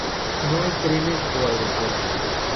No hay trenes o aeropuertos.